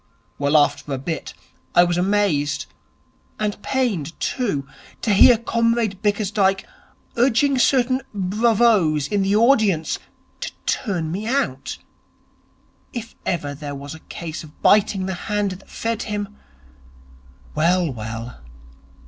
Well, after a bit, I was amazed, and pained, too, to hear Comrade Bickersdyke urging certain bravoes in the audience to turn me out. If ever there was a case of biting the hand that fed him.... Well, well....